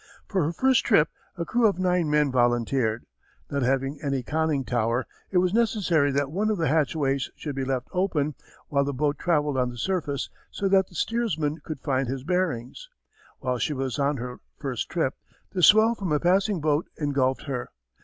For her first trip a crew of nine men volunteered. Not having any conning tower it was necessary that one of the hatchways should be left open while the boat travelled on the surface so that the steersman could find his bearings. While she was on her first trip, the swell from a passing boat engulfed her.